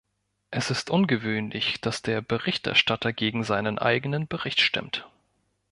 Es ist ungewöhnlich, dass der Berichterstatter gegen seinen eigenen Bericht stimmt.